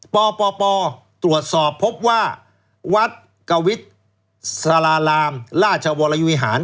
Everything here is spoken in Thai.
ป่อตรวจสอบพบว่าวัดกวิทย์สรราลามลาชวรรยุวิหาร